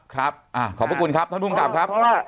ครับขอบคุณครับท่านพรุ่งกลับครับ